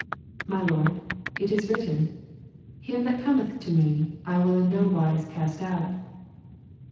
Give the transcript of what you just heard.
'My lord, it is written, "Him that cometh to Me, I will in no wise cast out."'